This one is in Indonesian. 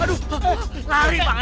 atau mungkin yoko lah ya